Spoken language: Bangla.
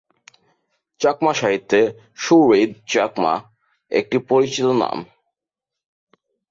চাকমা সাহিত্যে সুহৃদ চাকমা একটি পরিচিত নাম।